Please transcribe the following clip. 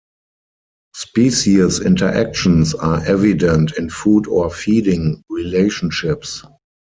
Species interactions are evident in food or feeding relationships.